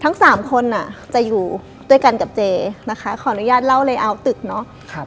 ทั้งสามคนอ่ะจะอยู่ด้วยกันกับเจนะคะขออนุญาตเล่าเลยเอาตึกเนาะ